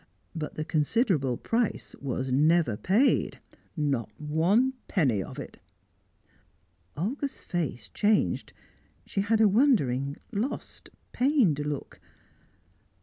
"But the considerable price was never paid not one penny of it." Olga's face changed. She had a wondering lost, pained look. "Mr.